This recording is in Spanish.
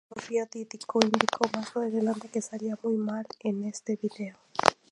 La propia Dido indicó más adelante que salía muy mal en ese vídeo.